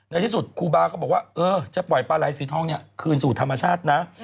ในที่สุดครูบาก็บอกว่าเออจะปล่อยปลาไหลสีทองเนี่ยคืนสู่ธรรมชาตินะ